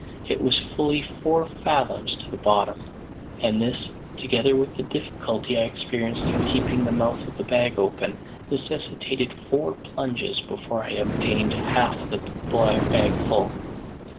It was fully four fathoms to the bottom; and this, together with the difficulty I experienced in keeping the mouth of the bag open, necessitated four plunges before I had obtained half the bag full.